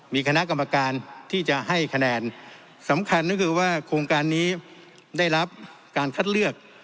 มีคณะกรรมการที่จะให้คะแนนสำคัญก็คือว่าโครงการนี้ได้รับการคัดเลือก